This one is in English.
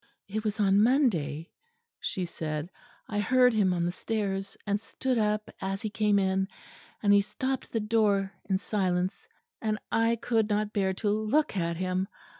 "It was on Monday," she said. "I heard him on the stairs, and stood up as he came in; and he stopped at the door in silence, and I could not bear to look at him.